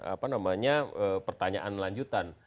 apa namanya pertanyaan lanjutan